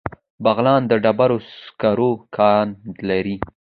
بغلان د ډبرو سکرو کان لري